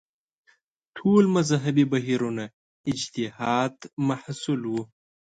ټول مذهبي بهیرونه اجتهاد محصول وو